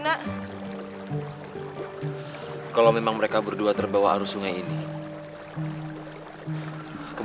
aku yakin mereka berdua pasti masih